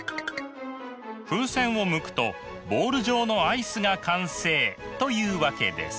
風船をむくとボール状のアイスが完成というわけです。